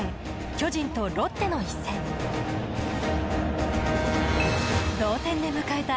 巨人とロッテの一戦同点で迎えた